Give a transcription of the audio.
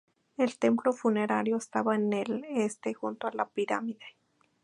El templo funerario estaba en el este, junto a la pirámide.